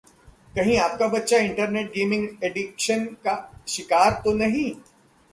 कहीं आपका बच्चा इंटरनेट गेमिंग एडिक्शन का शिकार तो नहीं...